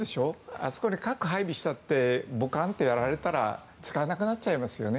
あそこで核を配備したってボカンってやられたら使えなくなっちゃいますよね。